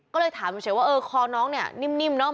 ก็เลยถามเฉยว่าเออคอน้องเนี่ยนิ่มเนอะ